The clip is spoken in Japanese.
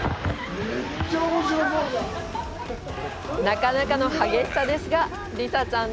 なかなかの激しさですがリサちゃん